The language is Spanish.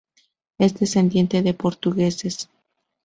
Es descendiente de portugueses.